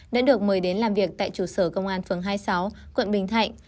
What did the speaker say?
đã được mời đến làm việc tại trụ sở công an phường hai mươi sáu quận bình thạnh